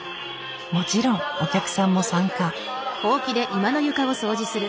もちろんお客さんも参加。